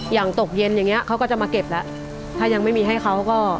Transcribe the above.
ตกเย็นอย่างเงี้เขาก็จะมาเก็บแล้วถ้ายังไม่มีให้เขาก็